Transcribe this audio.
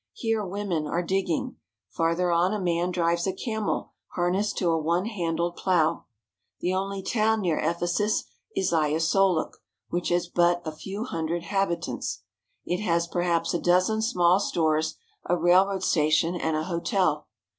Here women are digging; farther on a man drives a camel harnessed to a one handled plough. The only town near Ephesus is Ayasoluk, which has but a few hundred inhabitants. It has, perhaps, a dozen small stores, a railroad station, and a hotel.